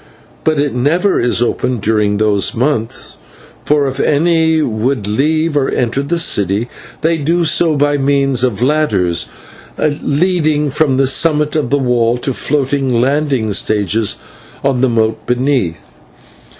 But it never is opened during those months, for if any would leave or enter the city they do so by means of ladders leading from the summit of the wall to floating landing stages on the moat beneath.